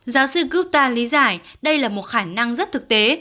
giáo sư grutta lý giải đây là một khả năng rất thực tế